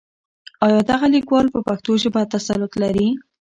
آيا دغه ليکوال په پښتو ژبه تسلط لري؟